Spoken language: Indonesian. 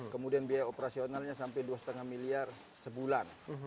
kemudian biaya operasionalnya sampai dua lima miliar sebulan